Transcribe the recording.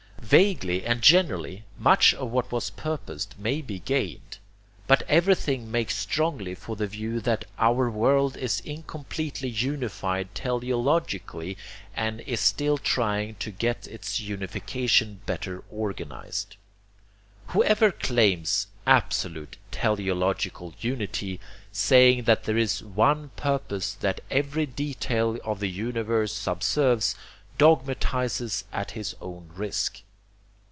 Vaguely and generally, much of what was purposed may be gained; but everything makes strongly for the view that our world is incompletely unified teleologically and is still trying to get its unification better organized. Whoever claims ABSOLUTE teleological unity, saying that there is one purpose that every detail of the universe subserves, dogmatizes at his own risk.